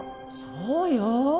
そうよ。